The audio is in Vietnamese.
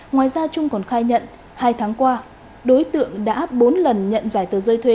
ngoài ra trung còn khai nhận hai tháng qua đối tượng đã bốn lần nhận giải tờ rơi thuê